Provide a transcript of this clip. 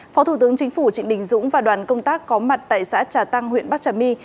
phó thủ tướng chính phủ trịnh đình dũng và đoàn công tác có mặt tại xã trà tăng huyện bắc trà my